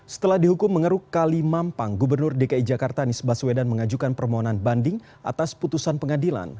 setelah dihukum mengeruk kali mampang gubernur dki jakarta nisbah sweden mengajukan permohonan banding atas putusan pengadilan